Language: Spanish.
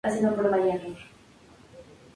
Naoto Matsuo